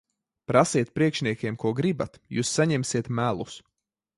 Prasiet priekšniekiem, ko gribat. Jūs saņemsiet melus.